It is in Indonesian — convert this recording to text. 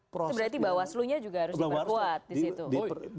berarti bawah slunya juga harus diperkuat disitu